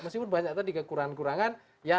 meskipun banyak tadi kekurangan kurangan